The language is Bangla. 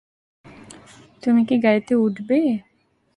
তুমি কি গাড়িতে উঠবে?